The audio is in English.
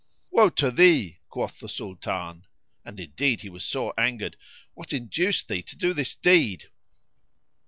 "Woe to thee," quoth the Sultan (and indeed he was sore angered); "what induced thee to do this deed?"